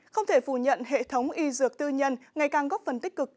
không thể phủ nhận hệ thống y dược tư nhân ngày càng góp phần tích cực